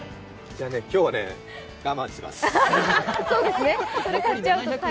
じゃぁね、今日はね、我慢します。